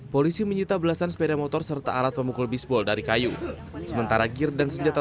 polisi menyita belasan sepeda motor serta alat pemukul bisbol dari kayu sementara gear dan senjata